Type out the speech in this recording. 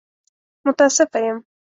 متاسفه يم!